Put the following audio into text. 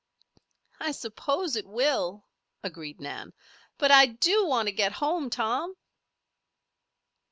"I suppose it will," agreed Nan. "But I do want to get home, Tom."